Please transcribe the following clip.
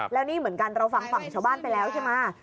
แล้วนี่เหมือนกันเราฟังฝั่งชาวบ้านไปแล้วใช่ไหม